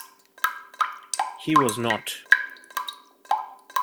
He was not.